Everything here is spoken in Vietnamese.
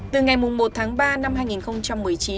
từ ngày một tháng ba năm hai nghìn một mươi chín